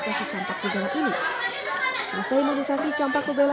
kementerian keselatan tak punya jalan selain memperpanjang pelaksanaan imunisasi campak rubella